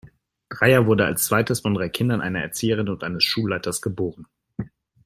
Dreyer wurde als zweites von drei Kindern einer Erzieherin und eines Schulleiters geboren.